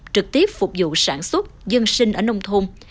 trực tiếp phục vụ sản xuất dân sinh ở nông thôn